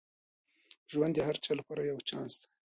ژوند د هر چا لپاره یو چانس دی.